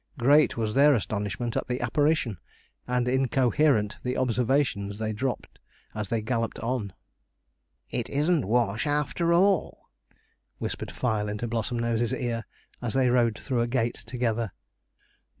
Great was their astonishment at the apparition, and incoherent the observations they dropped as they galloped on. 'It isn't Wash, after all,' whispered Fyle into Blossomnose's ear, as they rode through a gate together.